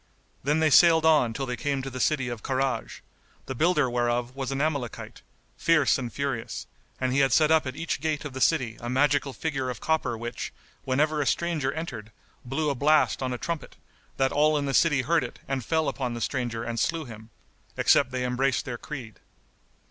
Then they sailed on till they came to the city of Karaj, the builder whereof was an Amalekite, fierce and furious; and he had set up at each gate of the city a magical figure of copper which, whenever a stranger entered, blew a blast on a trumpet, that all in the city heard it and fell upon the stranger and slew him, except they embraced their creed.